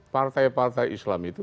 partai partai islam itu